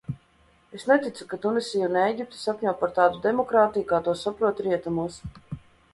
Es neticu, ka Tunisija un Ēģipte sapņo par tādu demokrātiju, kā to saprot rietumos.